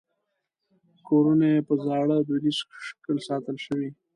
کورونه یې په زاړه دودیز شکل ساتل شوي.